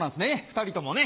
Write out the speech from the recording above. ２人ともね。